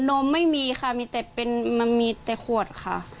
นมไม่มีค่ะมีแต่เป็นมันมีแต่ขวดค่ะ